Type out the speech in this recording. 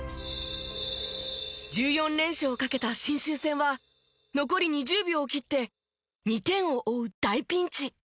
１４連勝を懸けた信州戦は残り２０秒を切って２点を追う大ピンチ。